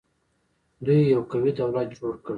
دوی یو قوي دولت جوړ کړ